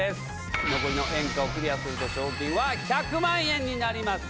残りの「演歌」をクリアすると賞金は１００万円になります。